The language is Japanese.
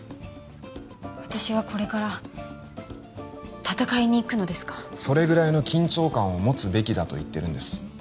私はこれから戦いに行くのですかそれぐらいの緊張感を持つべきだと言ってるんです